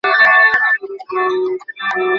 আপনি যে জীবনসম্পন্ন প্রাণী, ইহাও অস্বীকার করুন।